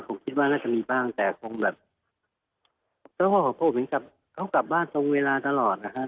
ผมคิดว่าน่าจะมีบ้างแต่ผมแบบเค้ากลับบ้านตรงเวลาตลอดนะฮะ